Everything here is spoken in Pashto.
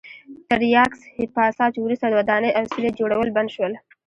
تر یاکس پاساج وروسته ودانۍ او څلي جوړول بند شول.